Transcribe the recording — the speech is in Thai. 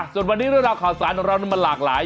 ส่วนวันนี้เรื่องราวข่าวสารของเรามันหลากหลาย